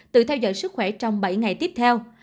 tự theo dõi sức khỏe trong bảy ngày tiếp theo